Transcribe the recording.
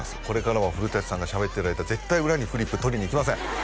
これからは古さんが喋ってる間絶対裏にフリップ取りに行きません